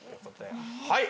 はい。